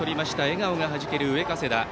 笑顔がはじける上加世田。